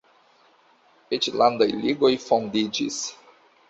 Eĉ landaj ligoj fondiĝis.